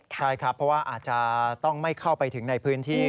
ใช่ครับเพราะว่าอาจจะต้องไม่เข้าไปถึงในพื้นที่